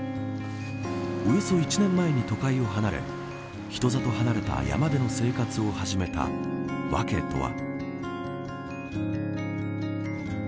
およそ１年前に都会を離れ人里離れた山での生活を始めた訳とは。